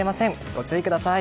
ご注意ください。